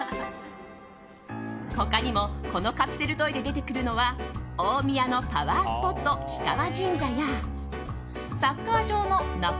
他にも、このカプセルトイで出てくるのは大宮のパワースポット氷川神社やサッカー場のＮＡＣＫ５